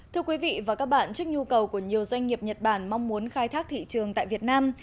thưa quý vị và các bạn trước nhu cầu của nhiều doanh nghiệp nhật bản mong muốn khai thác thị trường tại việt nam